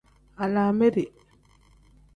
Alaameri.